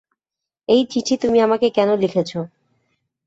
এ চিঠি তুমি আমকে কেন লিখেছ।